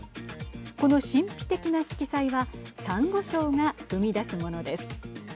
この神秘的な色彩はサンゴ礁が生み出すものです。